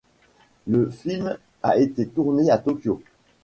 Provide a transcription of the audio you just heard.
Le film a été tourné à Tokyo.